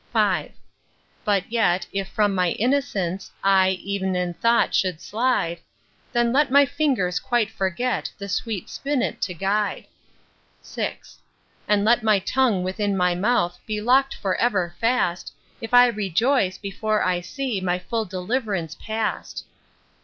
V. But yet, if from my innocence I, ev'n in thought, should slide, Then let my fingers quite forget The sweet spinnet to guide. VI. And let my tongue within my mouth Be lock'd for ever fast, If I rejoice, before I see My full deliv'rance past.